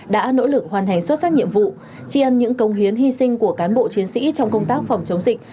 đã nỗ lực hoàn thành xuất sắc nhiệm vụ tri ân những công hiến hy sinh của cán bộ chiến sĩ trong công tác phòng chống dịch